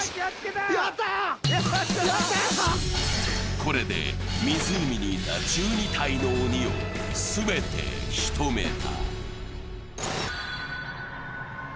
これで湖にいた１２体の鬼を全て仕留めた。